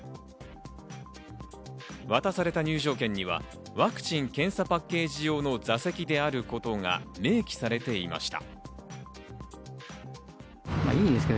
渡された入場券にはワクチン・検査パッケージ用の座席であることが明記されていました。